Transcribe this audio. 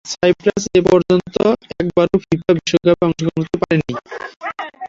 Cypress এপর্যন্ত একবারও FIFA বিশ্বকাপে অংশগ্রহণ করতে পারেনি।